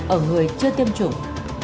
ở người chưa tiêm chủng